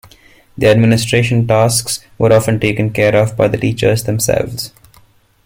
The administration tasks were often taken care of by the teachers themselves.